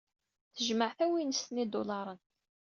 Tejmeɛ tawinest n yidulaṛen.